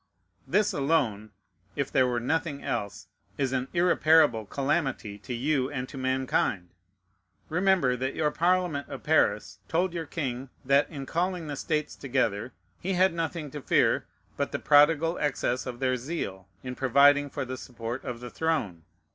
This alone (if there were nothing else) is an irreparable calamity to you and to mankind. Remember that your Parliament of Paris told your king, that, in calling the states together, he had nothing to fear but the prodigal excess of their zeal in providing for the support of the throne.